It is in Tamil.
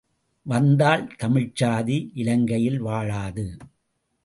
வந்தால் தமிழ்ச்சாதி இலங்கையில் வாழாது.